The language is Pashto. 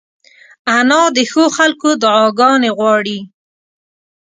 انا د ښو خلکو دعاګانې غواړي